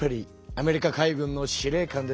アメリカ海軍の司令官です。